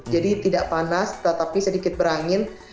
jadi tidak panas tetapi sedikit berangin